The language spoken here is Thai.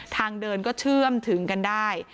ทางเดินก็เชื่อมถึงกันได้